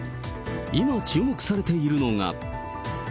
今、注目されているのが。